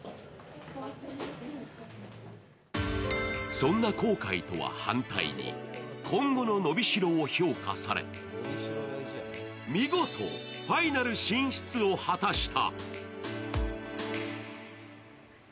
そんな後悔とは反対に今後の伸びしろを評価され見事ファイナル進出を果たした。